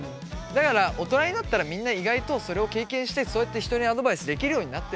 だから大人になったらみんな意外とそれを経験してそうやって人にアドバイスできるようになってるから。